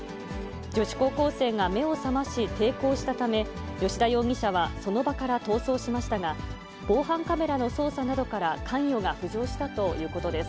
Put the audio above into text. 女子高校生が目を覚まし、抵抗したため、吉田容疑者はその場から逃走しましたが、防犯カメラの捜査などから関与が浮上したということです。